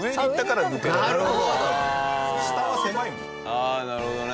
ああなるほどね。